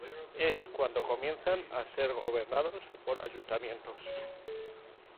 Es cuando comienzan a ser gobernados por ayuntamientos.